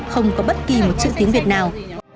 không có bất kỳ một chữ tiếng việt nào